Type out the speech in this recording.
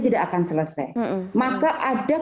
tidak akan selesai maka ada